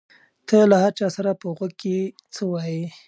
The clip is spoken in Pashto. ته له هر چا سره په غوږ کې څه وایې؟